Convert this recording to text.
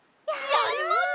やります！